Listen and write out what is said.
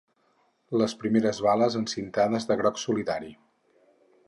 Les primeres bales encintades de groc solidari!